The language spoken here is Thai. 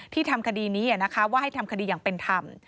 ทำคดีนี้ว่าให้ทำคดีอย่างเป็นธรรม